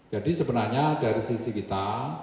jadi sebenarnya dari sisi kita